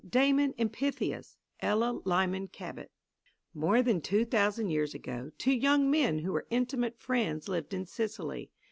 Damon and Pythias ELLA LYMAN CABOT More than two thousand years ago two young men who were intimate friends lived in Sicily.